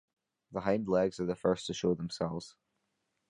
The hind legs are the first to show themselves.